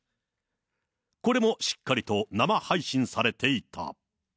これもしっかりと生配信されていた。